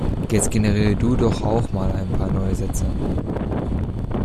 Jetzt generiere du doch auch mal ein paar neue Sätze.